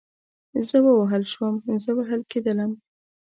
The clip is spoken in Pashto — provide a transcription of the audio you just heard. زه ووهل شوم, زه وهل کېدلم